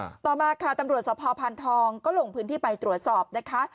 ต่อมาค่ะตำรวจสภพันธองก็ลงพื้นที่ไปตรวจสอบนะคะ